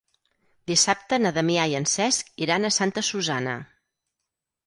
Dissabte na Damià i en Cesc iran a Santa Susanna.